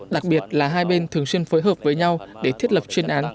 đặc biệt là hai bên thường xuyên phối hợp với nhau để thiết lập chuyên án